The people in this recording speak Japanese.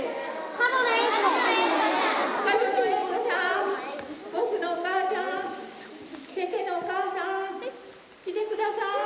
僕のお母ちゃん先生のお母さん来てください！